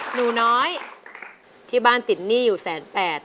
หนูน้อยที่บ้านติดหนี้อยู่๑๘๐๐๐๐บาท